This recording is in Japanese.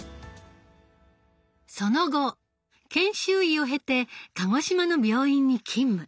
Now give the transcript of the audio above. その後研修医を経て鹿児島の病院に勤務。